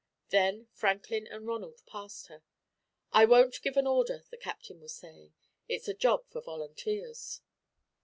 Then Franklin and Ronald passed her. "I won't give an order," the Captain was saying; "it's a job for volunteers."